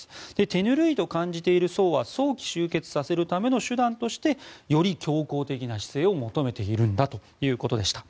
手ぬるいと感じている層は早期終結させるための手段としてより強硬的な姿勢を求めているんだということでした。